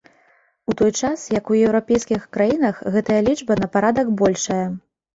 У той час, як у еўрапейскіх краінах гэтая лічба на парадак большая.